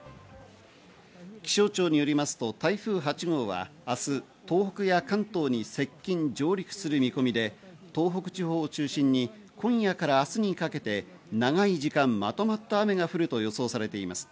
気象庁によりますと台風８号は明日、東北や関東に接近、上陸する見込みで、東北地方を中心に今夜から明日にかけて長い時間まとまった雨が降ると予想されています。